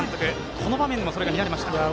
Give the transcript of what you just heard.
この場面もそれがありました。